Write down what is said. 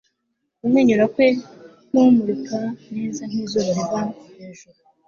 kumwenyura kwe kumurika neza nkizuba riva hejuru